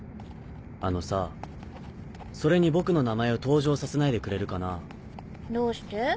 あのさそれに僕の名前を登場させないでくれるかな？どうして？